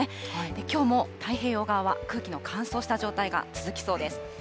きょうも太平洋側は空気の乾燥した状態が続きそうです。